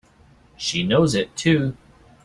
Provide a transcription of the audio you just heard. She knows it too!